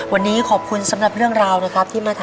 วันนี้ขอบคุณสำหรับเรื่องราวนะครับ